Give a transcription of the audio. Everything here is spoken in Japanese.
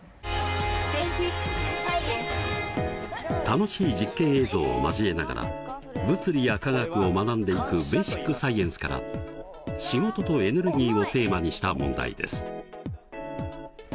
楽しい実験映像を交えながら物理や化学を学んでいく「ベーシックサイエンス」から「仕事とエネルギー」をテーマにした問題です。